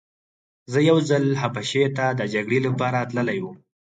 زه یو ځل حبشې ته د جګړې لپاره تللی وم.